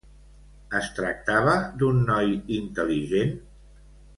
Es tractava d'un noi intel·ligent?